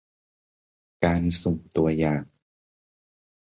การสุ่มตัวอย่าง